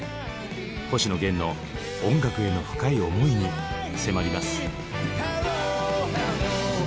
星野源の音楽への深い思いに迫ります。